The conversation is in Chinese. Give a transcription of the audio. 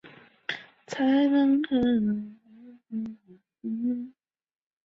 满洲里西郊机场是一个位于中国内蒙古自治区满洲里市西郊的民航机场。